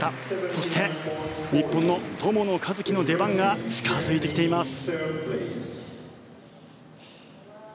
そして日本の友野一希の出番が近付いてきています。